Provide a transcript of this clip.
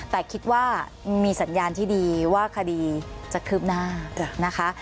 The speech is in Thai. แต่คิดว่ามีสัญญาณที่ดีว่าคดีจะคืบหน้านะคะ